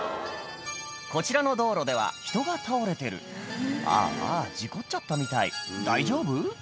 こちらの道路では人が倒れてるああ事故っちゃったみたい大丈夫？